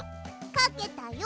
かけたよ！